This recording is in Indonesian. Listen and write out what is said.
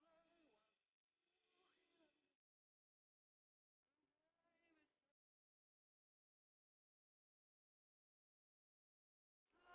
jangan lupa like share dan subscribe ya